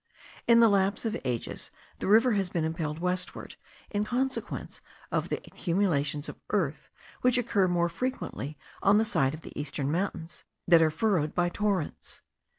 In the lapse of ages the river has been impelled westward, in consequence of the accumulations of earth, which occur more frequently on the side of the eastern mountains, that are furrowed by torrents.